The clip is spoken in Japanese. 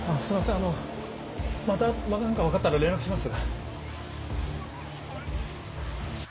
あのまた何か分かったら連絡します。